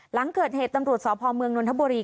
หลังเกิดเหตุตำรวจสพเมืองนนทบุรี